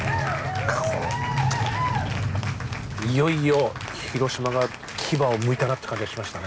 何かこう「いよいよ広島が牙をむいたな」って感じがしましたね。